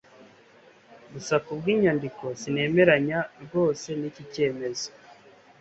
gusa kubwinyandiko, sinemeranya rwose niki cyemezo